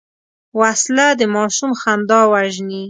وسله د ماشوم خندا وژني